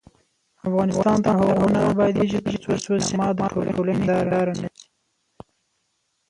افغانستان تر هغو نه ابادیږي، ترڅو سینما د ټولنې هنداره نشي.